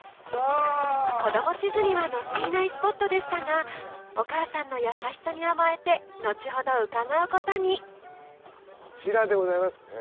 子ども地図には載っていないスポットでしたがお母さんの優しさに甘えて後ほど伺うことにこちらでございますね。